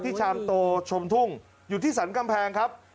ชามโตชมทุ่งอยู่ที่สรรกำแพงครับ